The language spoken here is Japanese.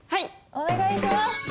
お願いします！